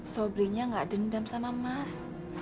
sobrinya nggak dendam sama mas